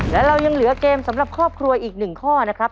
และเรายังเหลือเกมสำหรับครอบครัวอีก๑ข้อนะครับ